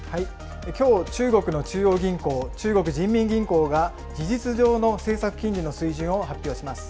きょう、中国の中央銀行、中国人民銀行が事実上の政策金利の水準を発表します。